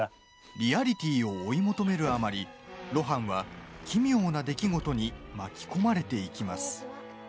リアリティーを追い求めるあまり露伴は奇妙な出来事に巻き込まれていきます。